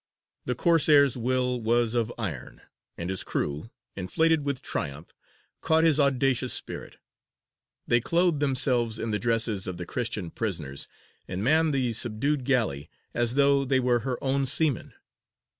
The Corsair's will was of iron, and his crew, inflated with triumph, caught his audacious spirit. They clothed themselves in the dresses of the Christian prisoners, and manned the subdued galley as though they were her own seamen.